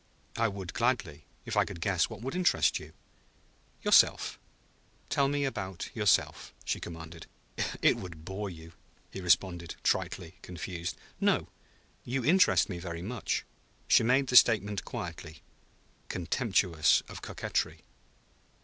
"I would, gladly, if I could guess what would interest you." "Yourself. Tell me about yourself," she commanded. "It would bore you," he responded tritely, confused. "No; you interest me very much." She made the statement quietly, contemptuous of coquetry.